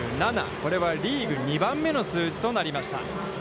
これはリーグ２番目の数字となりました。